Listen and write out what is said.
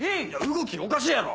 動きおかしいやろ！